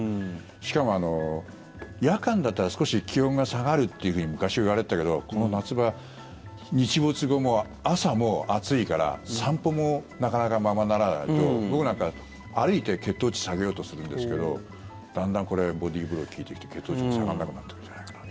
しかも、夜間だったら少し気温が下がるというふうに昔はいわれてたけどこの夏場、日没後も朝も暑いから散歩もなかなかままならないと僕なんか、歩いて血糖値下げようとするんですけどだんだん、これボディーブロー効いてきて血糖値も下がらなくなってくるんじゃないかなと。